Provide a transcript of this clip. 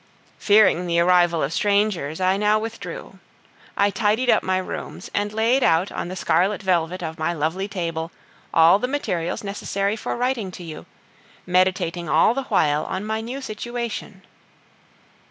Fearing the arrival of strangers, I now withdrew. I tidied up my rooms, and laid out on the scarlet velvet of my lovely table all the materials necessary for writing to you, meditating all the while on my new situation.